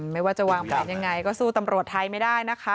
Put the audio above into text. ไม่ว่าจะวางแผนยังไงก็สู้ตำรวจไทยไม่ได้นะคะ